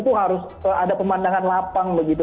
itu harus ada pemandangan lapang begitu